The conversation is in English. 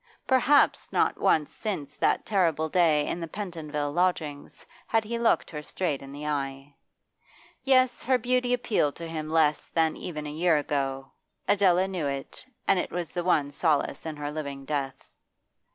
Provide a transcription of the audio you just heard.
Perhaps not once since that terrible day in the Pentonville lodgings had he looked her straight in the eyes. Yes, her beauty appealed to him less than even a year ago; Adela knew it, and it was the one solace in her living death.